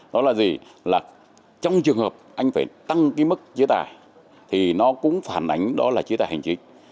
đó là gì là trong trường hợp anh phải tăng cái mức chế tài thì nó cũng phản ánh đó là chế tài hành chính